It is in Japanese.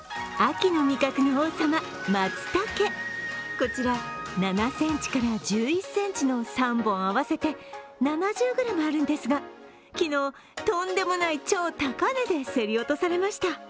こちら７ｃｍから１１ｃｍの３本合わせて７０ｇあるんですが、昨日、とんでもない超高値で競り落とされました。